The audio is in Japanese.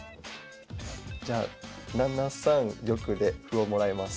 じゃあ７三玉で歩をもらいます。